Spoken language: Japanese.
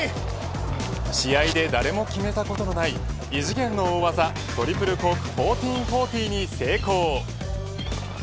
試合で誰も決めたことない異次元の大技トリプルコーク１４４０に成功。